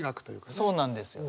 そうなんですよね。